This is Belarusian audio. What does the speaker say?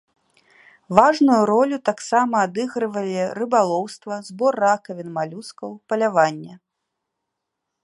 Важную ролю таксама адыгрывалі рыбалоўства, збор ракавін малюскаў, паляванне.